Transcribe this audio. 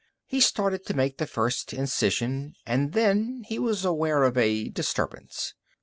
He started to make the first incision. And then he was aware of a disturbance.